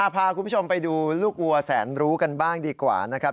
พาคุณผู้ชมไปดูลูกวัวแสนรู้กันบ้างดีกว่านะครับ